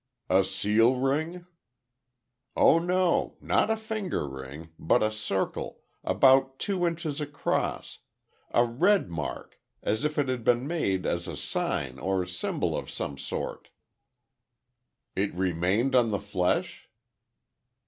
"A seal ring?" "Oh, no. Not a finger ring, but a circle, about two inches across, a red mark, as if it had been made as a sign or symbol of some sort." "It remained on the flesh?"